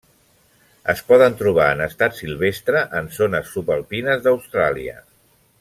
Es poden trobar en estat silvestre en zones subalpines d'Austràlia.